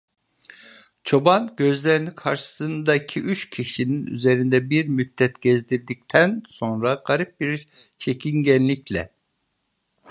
Çoban gözlerini karşısındaki üç kişinin üzerinde bir müddet gezdirdikten sonra garip bir çekingenlikle: